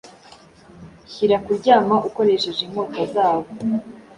Shyira kuryama ukoresheje inkota zabo